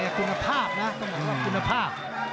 คุณภาพนะ